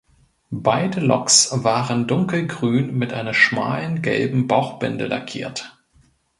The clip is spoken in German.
Beide Loks waren dunkelgrün mit einer schmalen gelben „Bauchbinde“ lackiert.